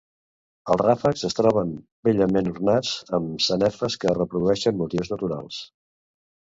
Els ràfecs es troben bellament ornats amb sanefes que reprodueixen motius naturals.